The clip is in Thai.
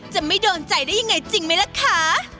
จะไม่โดนใจได้ยังไงจริงไหมล่ะคะ